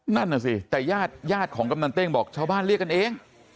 นั่นน่ะสิแต่ญาติญาติของกำนันเต้งบอกชาวบ้านเรียกกันเอง